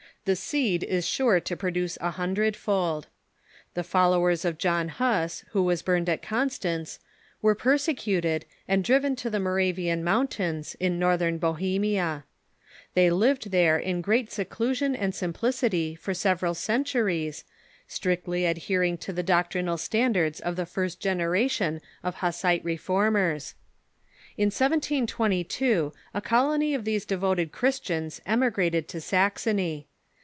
Tbe seed is sure to pro "Bohem'ia"' <l"ce a bundred fold. The followers of John Huss, who was burned at Constance, were persecuted, and driven to the Moravian mountains, in northern Bohemia, They lived there in great seclusion and simplicity for several cen turies, strictly adhering to tbe doctrinal standards of the first o eneration of Hussite reformers. In 1722 a colony of these devoted Christians emigrated to Saxony.